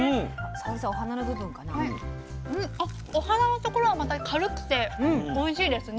お花のところはまた軽くておいしいですね。